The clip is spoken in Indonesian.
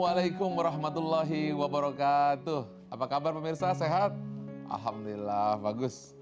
waalaikumsalam warahmatullahi wabarakatuh apa kabar pemirsa sehat alhamdulillah bagus